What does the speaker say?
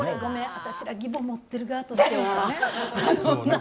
私ら義母を持ってる側としては。